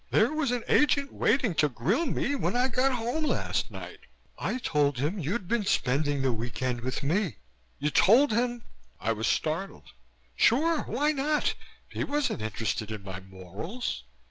There was an agent waiting to grill me when I got home last night. I told him you'd been spending the week end with me." "You told him " I was startled. "Sure! Why not? He wasn't interested in my morals.